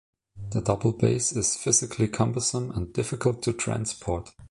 The double bass is physically cumbersome and difficult to transport.